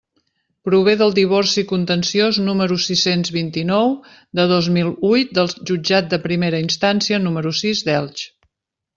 Prové del divorci contenciós número sis-cents vint-i-nou de dos mil huit del Jutjat de Primera Instància número sis d'Elx.